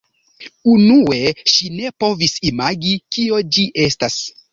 Unue ŝi ne povis imagi kio ĝi estas.